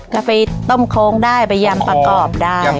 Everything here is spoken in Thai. ก็ไปต้มโคนได้ไปแย่มปลากรอบได้